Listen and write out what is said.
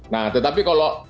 nah tetapi kalau